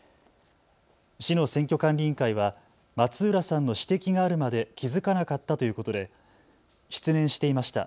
市の選挙管理委員会は松浦さんの指摘があるまで気付かなかったということで失念していました。